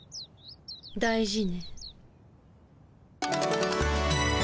大事ね。